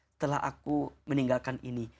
setelah aku meninggalkan ini